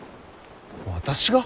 私が？